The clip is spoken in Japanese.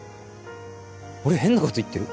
俺変なこと言ってる？